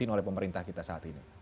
oleh pemerintah kita saat ini